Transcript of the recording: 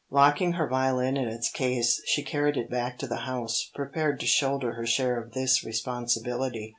Locking her violin in its case, she carried it back to the house, prepared to shoulder her share of this responsibility.